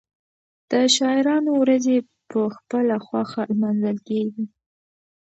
د شاعرانو ورځې په خپله خوښه لمانځل کېږي.